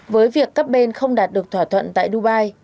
với việc các bên không đạt được thỏa thuận tại dubai